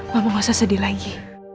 kamu gak usah sedih lagi